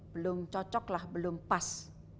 belum cocok lah belum pas